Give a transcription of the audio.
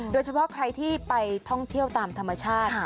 โดยเฉพาะใครที่ไปท่องเที่ยวตามธรรมชาติ